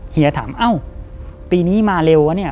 เฮียถามเอ้าปีนี้มาเร็ววะเนี่ย